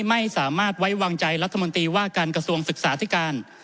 ไม่สามารถไว้วางใจรัฐมนตรีว่าการกระทรวงศึกษาธิการ